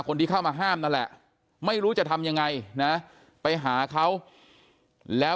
คนที่เข้ามาห้ามนั่นแหละไม่รู้จะทำยังไงนะไปหาเขาแล้ว